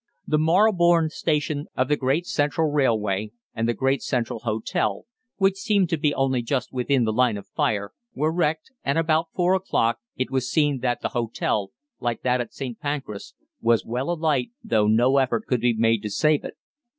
The Marylebone Station of the Great Central Railway, and the Great Central Hotel, which seemed to be only just within the line of fire, were wrecked, and about four o'clock it was seen that the hotel, like that at St. Pancras, was well alight, though no effort could be made to save it.